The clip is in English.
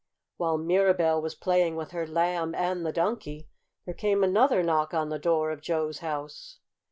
While Mirabell was playing with her Lamb and the Donkey there came another knock on the door of Joe's house.